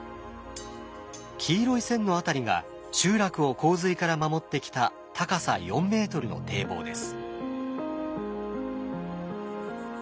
黄色い線の辺りが集落を洪水から守ってきた高さ４ｍの堤防です。